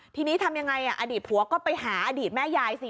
ทีนี้ทำยังไงอดีตผัวก็ไปหาอดีตแม่ยายสิ